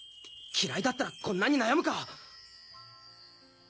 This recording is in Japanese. き嫌いだったらこんなに悩むか！